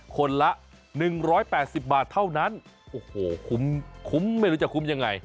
คนละ๑๘๐บาทเท่านั้นโอ้โหคุ้มคุ้มไม่รู้จะคุ้มยังไง